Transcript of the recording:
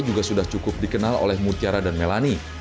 juga sudah cukup dikenal oleh mutiara dan melani